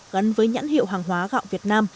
gắn với nhãn hiệu hàng hóa gạo việt nam